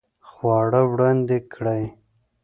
خواړه وړاندې کړئ